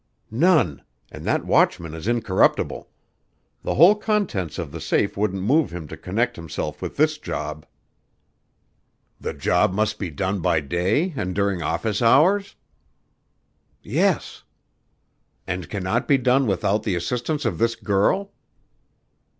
"None; and that watchman is incorruptible. The whole contents of the safe wouldn't move him to connect himself with this job." "The job must be done by day and during office hours?" "Yes." "And cannot be done without the assistance of this girl?"